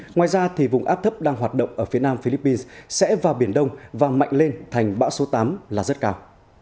ngoài ra vùng áp thấp đang hoạt động ở phía nam philippines sẽ vào biển đông và mạnh lên thành bão số tám là rất cao